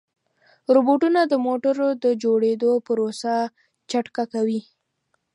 روبوټونه د موټرو د جوړېدو پروسه چټکه کوي.